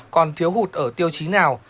còn thiếu hụt ở tiêu chí nào